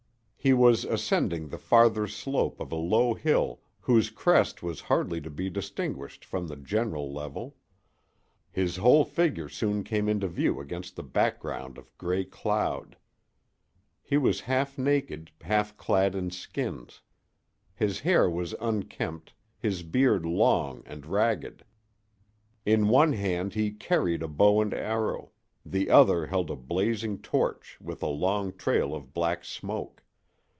He was ascending the farther slope of a low hill whose crest was hardly to be distinguished from the general level. His whole figure soon came into view against the background of gray cloud. He was half naked, half clad in skins. His hair was unkempt, his beard long and ragged. In one hand he carried a bow and arrow; the other held a blazing torch with a long trail of black smoke.